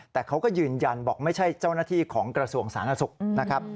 แต่เขาก็ยืนยันบอกไม่ใช่เจ้าหน้าที่ของกระทรวงสาธารณสุขนะครับ